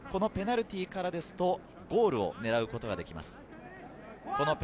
このペナルティーからですとゴールを狙うことができます。